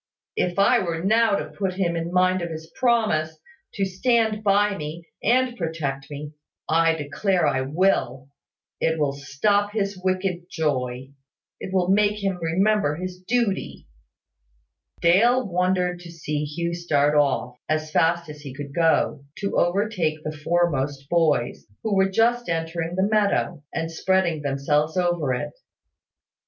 If I were now to put him in mind of his promise, to stand by me, and protect me I declare I will it will stop his wicked joy it will make him remember his duty." Dale wondered to see Hugh start off, as fast as he could go, to overtake the foremost boys, who were just entering the meadow, and spreading themselves over it.